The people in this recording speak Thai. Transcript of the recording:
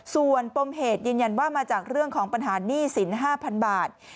ส่วนปมเหตุยืนยันว่ามาจากเรื่องของปัญหาหนี้สิน๕๐๐๐บาท